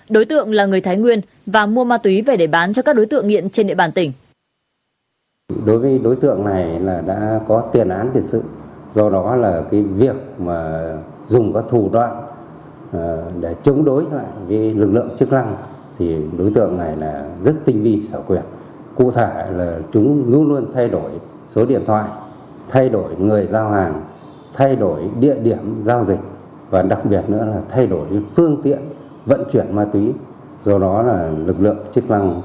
đối tượng là người thái nguyên và mua ma túy về để bán cho các đối tượng nghiện trên địa bàn tỉnh